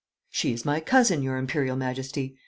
'She is my cousin, your Imperial Majesty.